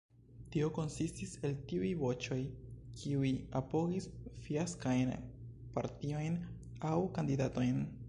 Tio konsistis el tiuj voĉoj, kiuj apogis fiaskajn partiojn, aŭ kandidatojn.